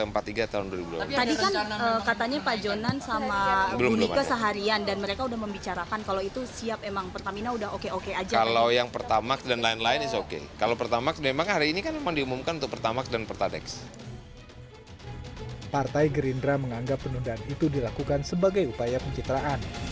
partai gerindra menganggap penundaan itu dilakukan sebagai upaya pencitraan